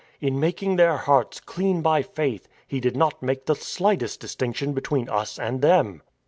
In making their hearts clean by faith He did not make the slightest distinction between us and them.